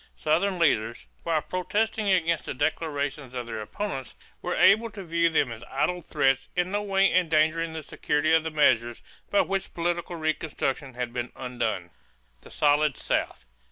Southern leaders, while protesting against the declarations of their opponents, were able to view them as idle threats in no way endangering the security of the measures by which political reconstruction had been undone. =The Solid South.